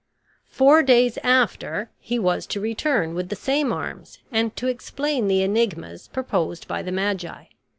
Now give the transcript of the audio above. Four days after he was to return with the same arms and to explain the enigmas proposed by the magi.